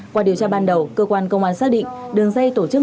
qua điều tra ban đầu cơ quan công an xác định đường dây tổ chức